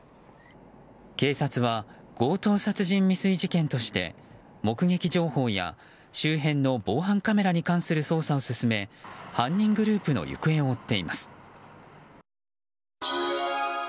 警察は、強盗殺人未遂事件として目撃情報や周辺の防犯カメラに関する捜査を進め犯人グループの行方を追っています。